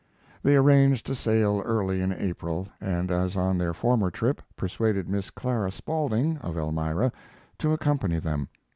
They arranged to sail early in April, and, as on their former trip, persuaded Miss Clara Spaulding, of Elmira, to accompany them.